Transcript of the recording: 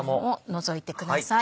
除いてください。